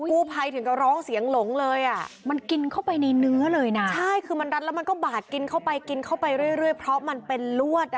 อุ้ยอันนี้ด้วย